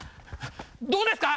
どうですか？